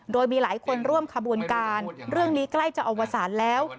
โดยมีหลายคนร่วมขบวนการเรื่องนี้ใกล้จะอวสารแล้ว